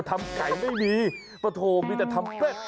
ทำไก่ไม่มีปะโถมีแต่ทำเกล็ด